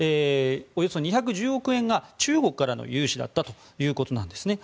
およそ２１０億円が中国からの融資だったということなんです。